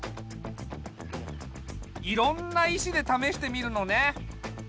いろんな石でためしてみるのね。